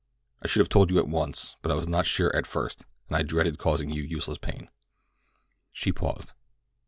I should have told you at once, but I was not sure at first, and I dreaded causing you useless pain." She paused.